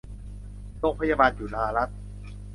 โรงพยาบาลจุฬารัตน์